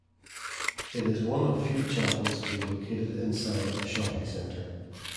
It is one of few chapels to be located inside of a shopping center.